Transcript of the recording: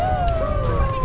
dasar orang orang aneh